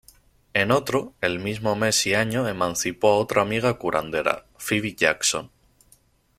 En otro, el mismo mes y año, emancipó a otra amiga curandera, Phoebe Jackson.